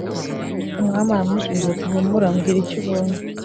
umwami aramusubiza ati “humura! mbwira icyo ubonye”